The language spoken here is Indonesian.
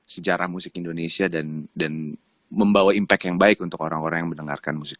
sejarah musik indonesia dan membawa impact yang baik untuk orang orang yang mendengarkan musik